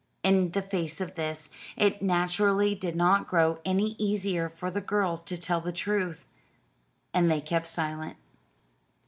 In the face of this, it naturally did not grow any easier for the girls to tell the truth and they kept silent.